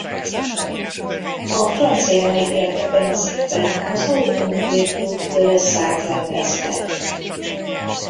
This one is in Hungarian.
A francia nagydíjat ebben az évben az Automobile Club de la Sarthe rendezte.